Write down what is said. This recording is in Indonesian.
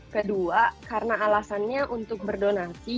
kedua karena alasannya untuk berdonasi